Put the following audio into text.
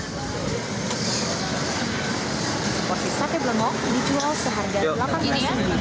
seposisi sate blengong dijual seharga delapan rupiah